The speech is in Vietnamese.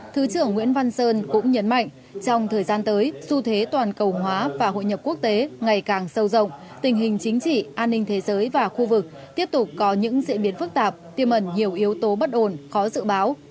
thứ trưởng nguyễn văn sơn cũng nhấn mạnh trong thời gian tới xu thế toàn cầu hóa và hội nhập quốc tế ngày càng sâu rộng tình hình chính trị an ninh thế giới và khu vực tiếp tục có những diễn biến phức tạp tiêm ẩn nhiều yếu tố bất ổn khó dự báo